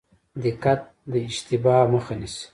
دقت د اشتباه مخه نیسي